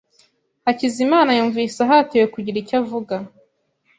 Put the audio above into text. Hakizimana yumvise ahatiwe kugira icyo avuga.